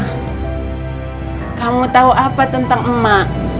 hah kamu tahu apa tentang emak